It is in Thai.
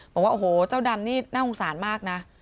บอกว่าโอ้โหเจ้าดำนี่น่าสงสารมากนะ